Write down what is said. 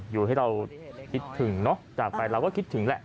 อยู่ให้เราคิดถึงเนอะจากไปเราก็คิดถึงแหละ